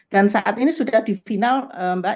dan saat ini sudah di final mbak